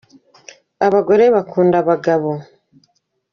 abagore bakunda abagabo